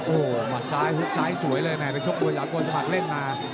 โอ้มัดซ้ายหุดซ้ายสวยเลยแม่เป็นชกมัวหยัดกว่าสมัครเล่นมา